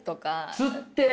「釣って」？